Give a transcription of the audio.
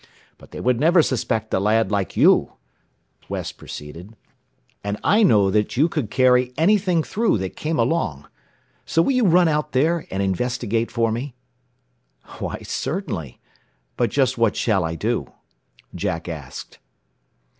"But they would never suspect a lad like you," West proceeded; "and I know you could carry anything through that came along. So will you run out there and investigate for me?" "Why, certainly. But just what shall I do?" Jack asked.